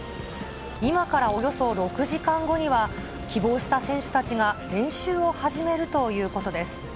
今からおよそ６時間後には、希望した選手たちが練習を始めるということです。